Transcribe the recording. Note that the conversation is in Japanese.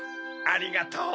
ありがとう！